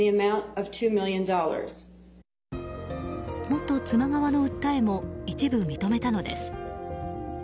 元妻側の訴えも一部認めたのです。